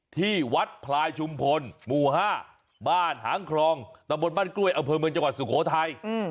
ที่วัดพลายชุมพลหมู่๕บ้านหางครองตะบนบ้านกล้วยอำเภอเมืองจังหวัดสุโขทัย